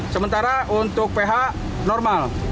sementara untuk ph normal